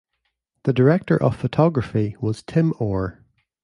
The director of photography was Tim Orr.